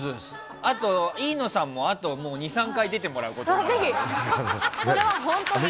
あと飯野さんもあと２３回出ていただくことに。